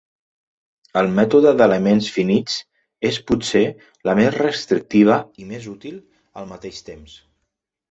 El mètode d'elements finits és potser la més restrictiva i més útil, al mateix temps.